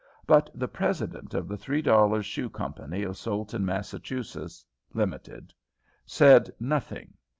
But the president of the Three dollar Shoe Company, of Soleton, Massachusetts (Limited), said nothing.